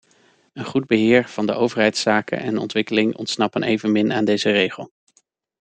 Een goed beheer van de overheidszaken en ontwikkeling ontsnappen evenmin aan deze regel.